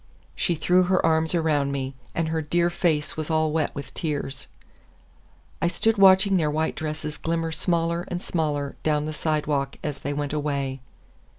She threw her arms around me, and her dear face was all wet with tears. I stood watching their white dresses glimmer smaller and smaller down the sidewalk as they went away.